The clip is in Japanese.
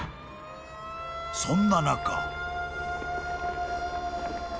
［そんな中］